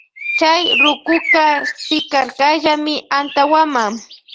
Chay rukuka sikarkallami antawama.